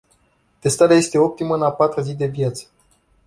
Testarea este optimă în a patra zi de viață.